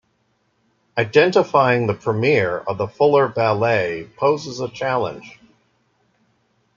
Identifying the premiere of the fuller ballet poses a challenge.